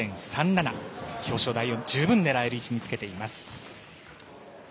表彰台を十分狙える位置につけています。